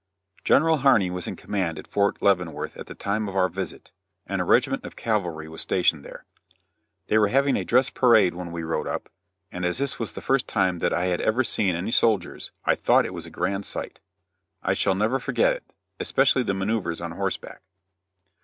General Harney was in command at Fort Leavenworth at the time of our visit, and a regiment of cavalry was stationed there. They were having a dress parade when we rode up, and as this was the first time that I had ever seen any soldiers, I thought it was a grand sight. I shall never forget it, especially the manoeuvres on horseback.